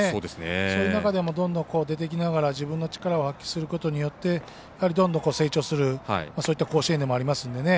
そういう中でどんどん出ていきながら自分の力を発揮することによってやはり、どんどん成長するそういった甲子園でもありますんでね。